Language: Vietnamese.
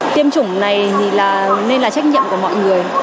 tiêm chủng này nên là trách nhiệm của mọi người